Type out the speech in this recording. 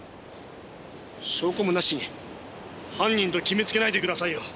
証拠もなしに犯人と決めつけないでくださいよ。